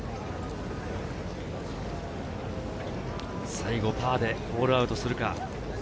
最後パーでホールアウトするか？